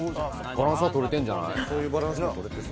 ・バランスは取れてんじゃない？